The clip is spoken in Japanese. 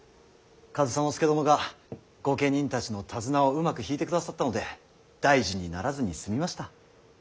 上総介殿が御家人たちの手綱をうまく引いてくださったので大事にならずに済みました。